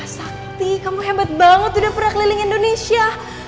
sakti kamu hebat banget udah pernah keliling indonesia